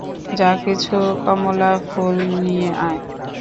যা কিছু কমলা ফুল নিয়ে আয়।